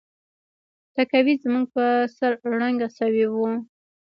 تهکوي زموږ په سر ړنګه شوې وه